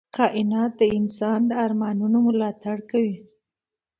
کائنات د انسان د ارمانونو ملاتړ کوي.